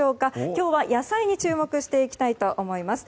今日は野菜に注目していきたいと思います。